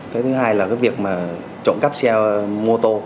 cái thứ hai là cái việc mà trộm cắp xe mô tô